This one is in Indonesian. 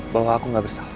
bahwa aku gak bersalah